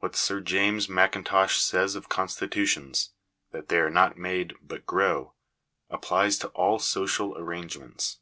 What Sir James Mackin tosh says of constitutions — that they are not made, but grow, applies to all social arrangements.